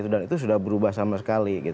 dan itu sudah berubah sama sekali